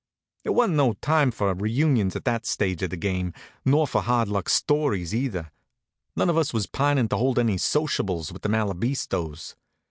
It wa'n't no time for reunions at that stage of the game, nor for hard luck stories, either. None of us was pining to hold any sociables with the Malabistos.